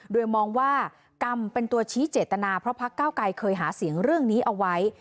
โดยมองว่ากรรมเป็นตัวชี้เจตนาเพราะพักเก้าไกรเคยหาเสียงเรื่องนี้เอาไว้